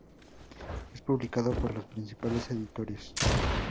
Es publicado por los principales editores.